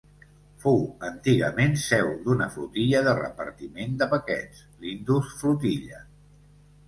Fou antigament seu d'una flotilla de repartiment de paquets, l'Indus Flotilla.